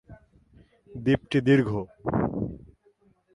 দ্বীপটি দীর্ঘ।